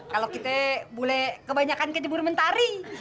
kalau kita bule kebanyakan kejimur mentari